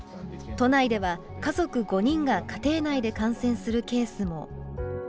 都内では家族５人が家庭内で感染するケースも。